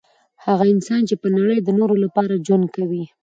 هغه انسان چي په نړۍ کي د نورو لپاره ژوند کوي